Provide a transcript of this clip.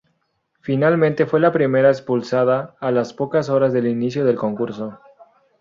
Finalmente fue la primera expulsada a las pocas horas del inicio del concurso.